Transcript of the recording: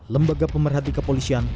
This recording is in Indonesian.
lembaga pemerhati kepolisian